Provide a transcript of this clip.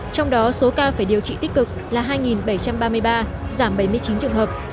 trong đó số ca phải điều trị tích cực là hai bảy trăm ba mươi ba giảm bảy mươi chín trường hợp